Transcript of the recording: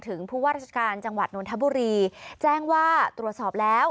ผู้ว่าราชการจังหวัดนทบุรีแจ้งว่าตรวจสอบแล้ว